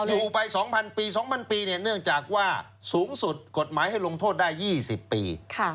อยู่ไป๒๐๐ปี๒๐๐ปีเนื่องจากว่าสูงสุดกฎหมายให้ลงโทษได้๒๐ปี